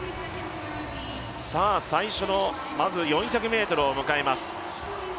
最初のまず４００ｍを迎えます。